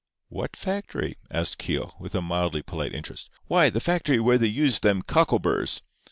"What factory?" asked Keogh, with a mildly polite interest. "Why, the factory where they use them cockleburrs.